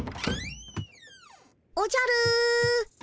おじゃる。